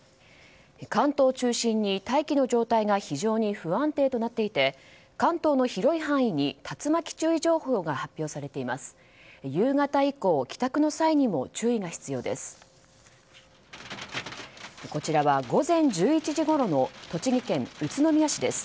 関東を中心に大気の状態が非常に不安定となっていて関東の広い範囲に竜巻注意情報が発表されています。